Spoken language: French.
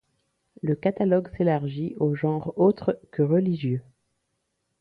Le catalogue s'élargit aux genres autres que religieux.